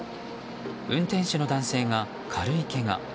運転手の男性が軽いけが。